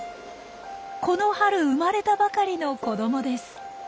この春生まれたばかりの子どもです。